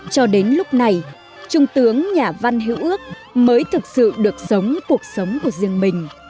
cho đến lúc này trung tướng nhà văn hữu ước mới thực sự được giống cuộc sống của riêng mình